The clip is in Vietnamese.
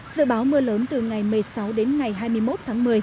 dự báo mưa lớn từ ngày một mươi sáu đến ngày hai mươi một tháng một mươi